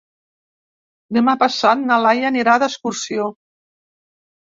Demà passat na Laia anirà d'excursió.